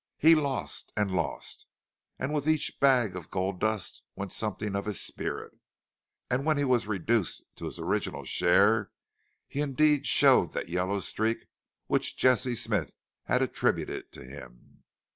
He lost and lost, and with each bag of gold dust went something of his spirit. And when he was reduced to his original share he indeed showed that yellow streak which Jesse Smith had attributed to him.